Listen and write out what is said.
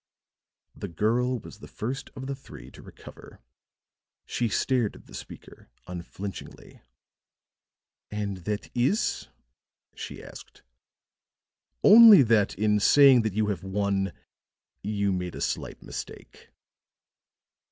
The girl was the first of the three to recover. She stared at the speaker unflinchingly. "And that is ?" she asked. "Only that in saying that you have won you made a slight mistake."